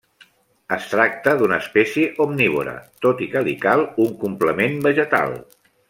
Es tracta d'una espècie omnívora, tot i que li cal un complement vegetal.